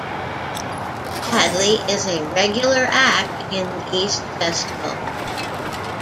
Hadley is a regular act in The East Festival.